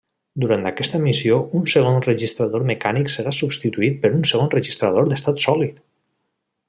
Durant aquesta missió un segon registrador mecànic serà substituït per un segon registrador d'estat sòlid.